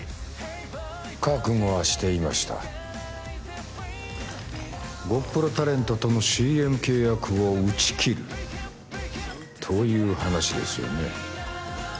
覚悟はしていましたゴップロタレントとのＣＭ契約を打ち切るという話ですよね？